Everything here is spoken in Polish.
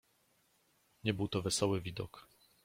"Nie był to wesoły widok."